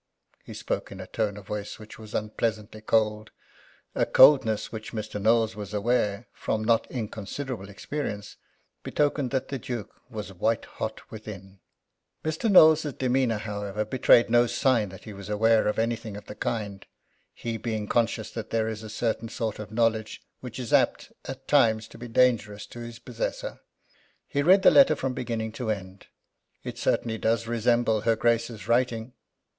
He spoke in a tone of voice which was unpleasantly cold a coldness which Mr. Knowles was aware, from not inconsiderable experience, betokened that the Duke was white hot within. Mr. Knowles's demeanour, however, betrayed no sign that he was aware of anything of the kind, he being conscious that there is a certain sort of knowledge which is apt, at times, to be dangerous to its possessor. He read the letter from beginning to end. "This certainly does resemble her Grace's writing."